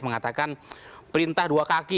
mengatakan perintah dua kaki